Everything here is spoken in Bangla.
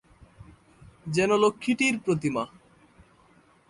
যেন লক্ষ্মীটির প্রতিমা!